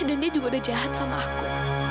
dan dia juga udah jahat sama aku